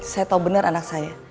saya tahu benar anak saya